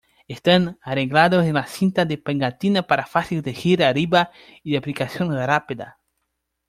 Están arreglados en la cinta de pegatina para fácil elegir-arriba y aplicación rápida.